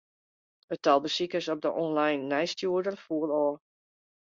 It tal besikers op de online nijsstjoerder foel ôf.